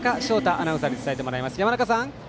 アナウンサーに伝えてもらいます。